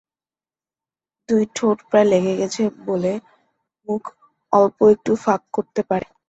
দুই ঠোঁট প্রায় লেগে গেছে বলে মুখ অল্প একটু ফাঁক করতে পারে।